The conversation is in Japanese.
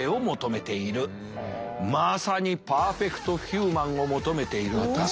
まさにパーフェクトヒューマンを求めているのか。